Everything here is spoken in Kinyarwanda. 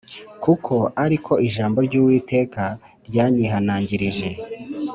kuko ari ko ijambo ry’Uwiteka ryanyihanangirije